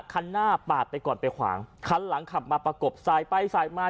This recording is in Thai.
คันหน้าปาดไปก่อนไปขวางคันหลังขับมาประกบสายไปสายมา